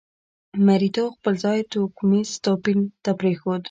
مریتوب خپل ځای توکمیز توپیر ته پرېښود.